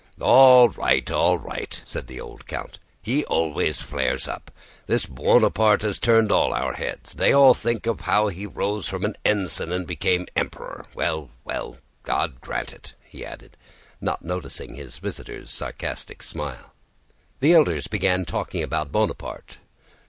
"All right, all right!" said the old count. "He always flares up! This Buonaparte has turned all their heads; they all think of how he rose from an ensign and became Emperor. Well, well, God grant it," he added, not noticing his visitor's sarcastic smile. The elders began talking about Bonaparte.